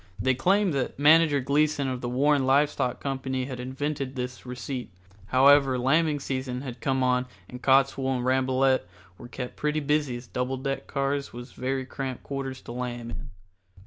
They claimed that Manager Gleason of the Warren Live Stock Company had invented this receipt. However, lambing season had come on and Cottswool and Rambolet were kept pretty busy as double deck cars was very cramped quarters to lamb in.